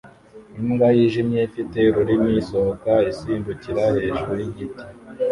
Imbwa yijimye ifite ururimi isohoka isimbukira hejuru yigiti